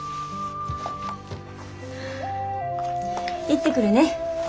行ってくるね。